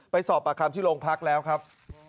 ไปสอบประคำที่โรงพักษณ์แล้วครับ